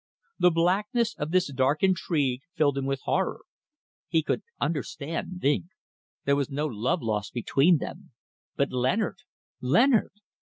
The blackness of this dark intrigue filled him with horror. He could understand Vinck. There was no love lost between them. But Leonard! Leonard!